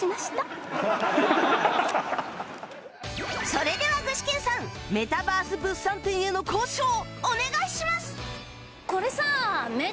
それでは具志堅さんメタバース物産展への交渉お願いします